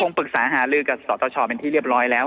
ปรึกษาหาลือกับสตชเป็นที่เรียบร้อยแล้ว